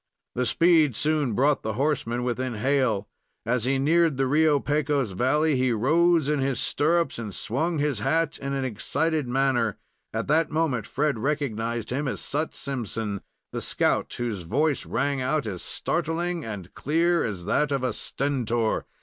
The speed soon brought the horseman within hail. As he neared the Rio Pecos Valley, he rose in his stirrups, and swung his hat in an excited manner. At that moment Fred recognized him as Sut Simpson, the scout, whose voice rang out as startling and clear as that of a stentor.